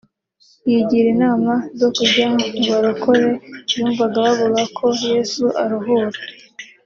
yigira inama zo kujya mu barokore yumvaga bavuga ko Yesu aruhura